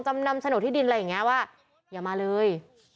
จำนำโฉนดที่ดินอะไรอย่างนี้ว่าอย่ามาเลย